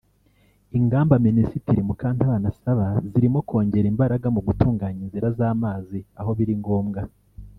Ingamba Minisitiri Mukantabana asaba zirimo kongera imbaraga mu gutunganya inzira z’amazi aho biri ngombwa